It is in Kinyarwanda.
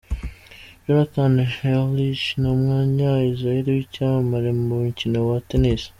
Jonathan Erlich ni umunya Israel w’icyamamare mu mukino waTennis.